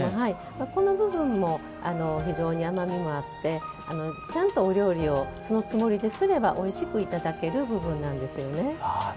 この部分も非常に甘みもあってちゃんとお料理をそのつもりですればおいしくいただける部分なんです。